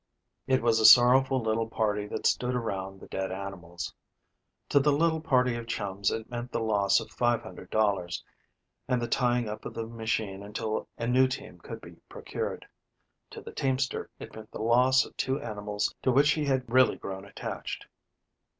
It was a sorrowful little party that stood around the dead animals. To the little party of chums it meant the loss of $500 and the tying up of the machine until a new team could be procured. To the teamster it meant the loss of two animals to which he had really grown attached.